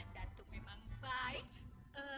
datu memang baik